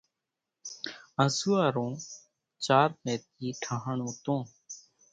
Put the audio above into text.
انزوئارو چارمي ۮي ٺۿاڻون تون